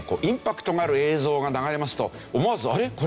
インパクトがある映像が流れますと思わずあれ？